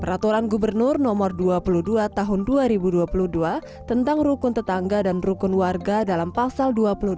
peraturan gubernur nomor dua puluh dua tahun dua ribu dua puluh dua tentang rukun tetangga dan rukun warga dalam pasal dua puluh dua